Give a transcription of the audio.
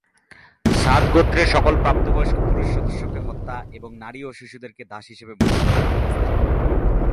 সাদ গোত্রের সকল প্রাপ্তবয়স্ক পুরুষ সদস্যকে হত্যা এবং নারী ও শিশুদেরকে দাস হিসেবে বন্দী করার নির্দেশ দেন।